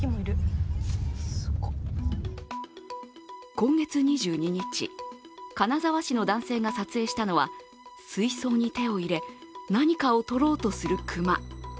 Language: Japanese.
今月２２日、金沢市の男性が撮影したのは水槽に手を入れ、何かを取ろうとする熊。